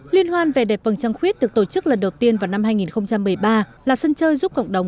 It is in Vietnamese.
liên hoan vẻ đẹp vầng trăng khuyết được tổ chức lần đầu tiên vào năm hai nghìn một mươi ba là sân chơi giúp cộng đồng